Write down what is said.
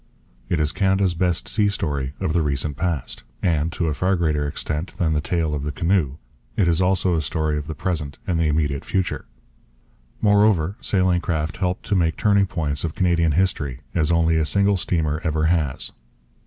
It is Canada's best sea story of the recent past. And, to a far greater extent than the tale of the canoe, it is also a story of the present and the immediate future. Moreover, sailing craft helped to make turning points of Canadian history as only a single steamer ever has.